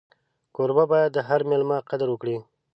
کوربه باید د هر مېلمه قدر وکړي.